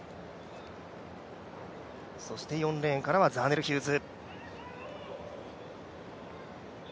そして４レーンからはザーネル・ヒューズ。